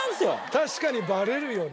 確かにバレるよね。